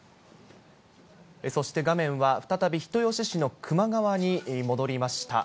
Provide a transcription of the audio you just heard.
そして画面は、再び人吉市の球磨川に戻りました。